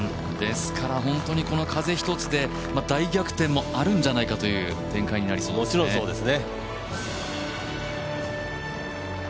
この風一つで大逆転もあるんじゃないかという展開もありそうですね。